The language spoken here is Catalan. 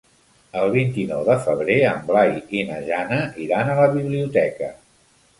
El vint-i-nou de febrer en Blai i na Jana iran a la biblioteca.